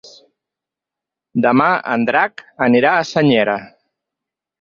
Demà en Drac anirà a Senyera.